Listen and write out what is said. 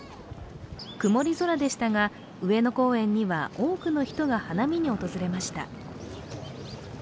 曇り空でしたが、上野公園には多くの人が花見に訪れました。